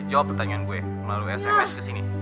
jawab pertanyaan gue melalui sms kesini